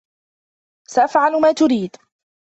سأفعل ما تريد.